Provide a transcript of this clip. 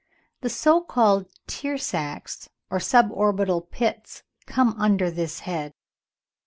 The so called tear sacks, or suborbital pits, come under this head.